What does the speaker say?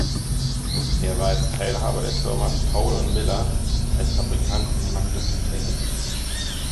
Er war als Teilhaber der Firma Paul und Miller als Fabrikant in Magdeburg tätig.